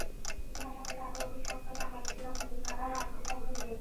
তিনি আশা করেন, আরও অধিক সংখ্যায় বাংলাদেশিরা মূলধারার রাজনীতিতে অংশ নেবেন।